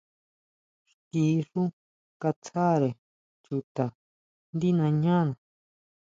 Xki xú katsáre chuta ndí nañana.